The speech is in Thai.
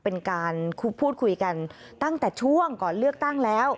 เป็นการพูดคุยกันตั้งแต่ช่วงก่อนเลือกตั้งแล้ว